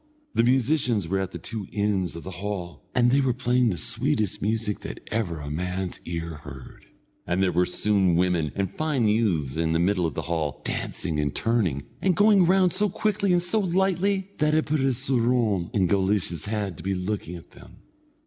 The musicians were at the two ends of the hall, and they were playing the sweetest music that ever a man's ear heard, and there were young women and fine youths in the middle of the hall, dancing and turning, and going round so quickly and so lightly, that it put a soorawn in Guleesh's head to be looking at them.